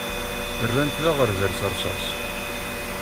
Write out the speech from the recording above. Rran-t d aɣerbal s rrsas.